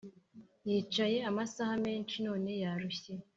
yicaye amasaha menshi none yarushye